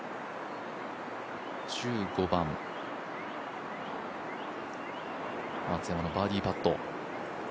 １５番、松山のバーディーパット。